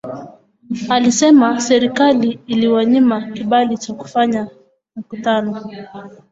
Alisema serikali iliwanyima kibali cha kufanya mkutano